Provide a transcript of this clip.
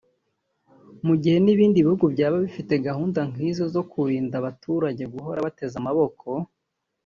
mu gihe n’ibindi bihugu byaba bifite gahunda nk’izo zo kurinda abaturage guhora bateze amaboko